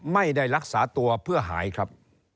ไม่ได้รักษาตัวเพื่อหายครับ